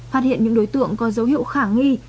phát hiện những đối tượng có dấu hiệu khả nghi